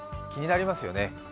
気になりますよね。